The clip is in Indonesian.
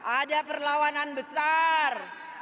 ada perlawanan besar